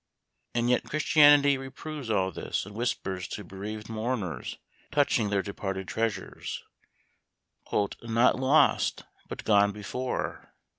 And yet Christianity reproves all this, and whispers to bereaved mourners touching their departed treasures, " Not lost, but gone before